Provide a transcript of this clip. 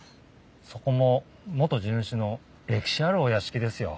そこも元地主の歴史あるお屋敷ですよ。